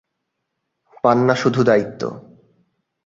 পান না শুধু দায়িত্ব।